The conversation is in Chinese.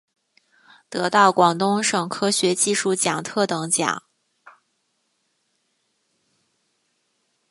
得到广东省科学技术奖特等奖。